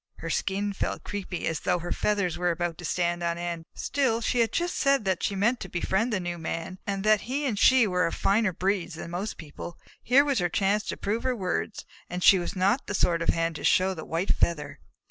Her skin felt creepy, as though her feathers were about to stand on end. Still, she had just said that she meant to befriend the new Man, and that he and she were of finer breeds than most people. Here was her chance to prove her words, and she was not the sort of Hen to show the white feather.